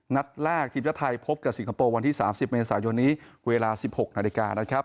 นัดแรกทีมชาติไทยพบกับสิงคโปร์วันที่๓๐เมษายนนี้เวลา๑๖นาฬิกานะครับ